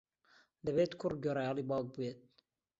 دەبێت کوڕ گوێڕایەڵی باوک بێت.